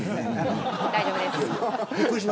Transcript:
大丈夫です。